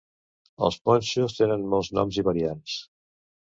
Els ponxos tenen molts noms i variants.